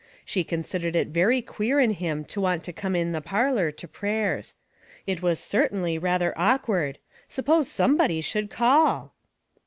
She considered it very queer in him to want to come in the parlor to prayers. It was certainly rather awkward; suppose somebody should call